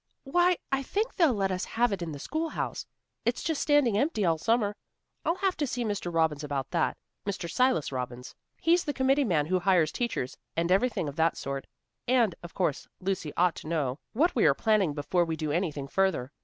"Why, I think they'll let us have it in the schoolhouse. It's just standing empty all summer. I'll have to see Mr. Robbins about that, Mr. Silas Robbins. He's the committee man who hires teachers, and everything of that sort. And, of course, Lucy ought to know what we are planning before we do anything further.